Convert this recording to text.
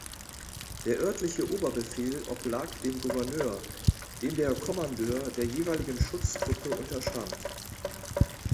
Der örtliche Oberbefehl oblag dem Gouverneur, dem der Kommandeur der jeweiligen Schutztruppe unterstand.